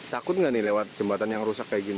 takut nggak nih lewat jembatan yang rusak kayak gini